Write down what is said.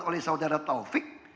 oleh saudara taufik